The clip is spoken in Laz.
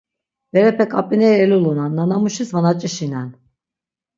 Berepe k̆apineri elulunan, nanamuşis va naç̆işinen.